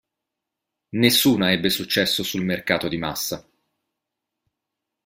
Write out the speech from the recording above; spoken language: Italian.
Nessuna ebbe successo sul mercato di massa.